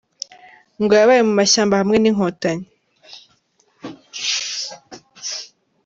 Ngo yabaye mu mashyamba hamwe n’inkotanyi.